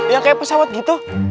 yang kayak pesawat gitu